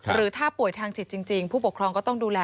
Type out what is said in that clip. หรือถ้าป่วยทางจิตจริงผู้ปกครองก็ต้องดูแล